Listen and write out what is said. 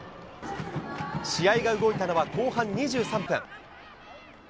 試合が動いたのは後半２３分。